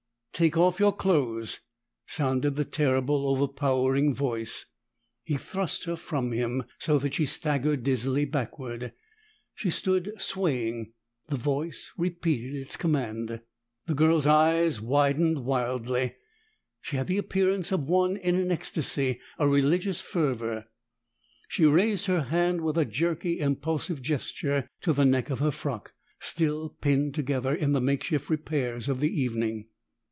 "Take off your clothes!" sounded the terrible, overpowering voice. He thrust her from him, so that she staggered dizzily backward. She stood swaying; the voice repeated its command. The girl's eyes widened wildly; she had the appearance of one in an ecstasy, a religious fervor. She raised her hand with a jerky impulsive gesture to the neck of her frock, still pinned together in the makeshift repairs of the evening.